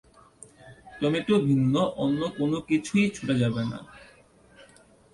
Tomato ভিন্ন অন্য কোন কিছুই ছোড়া যাবে না।